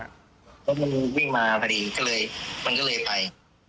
เขาวิ่งมาพอดีมันก็เลยไป